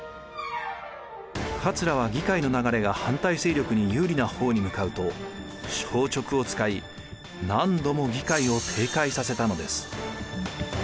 桂は議会の流れが反対勢力に有利な方に向かうと詔勅を使い何度も議会を停会させたのです。